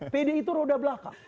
pdi itu roda belakang